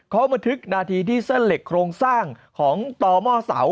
เขาบันทึกนาทีที่เส้นเหล็กโครงสร้างของต่อหม้อเสา